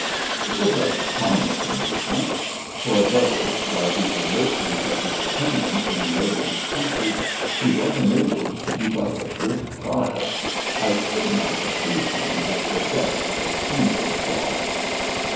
It was a harmless amusement, for though, by the alertness of his attendants in loading his pieces, he was enabled to keep up a brisk fire, I could not accuse him of the death of a single swallow.